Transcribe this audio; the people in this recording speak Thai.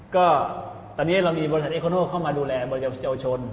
ก็ตอนนี้เรามีบริษัทเอโคโนเข้ามาดูแลบริษัทเยาวชน